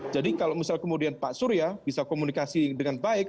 jadi kalau misal kemudian pak surya bisa komunikasi dengan baik